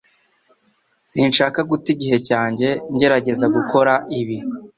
Sinshaka guta igihe cyanjye ngerageza gukora ibi.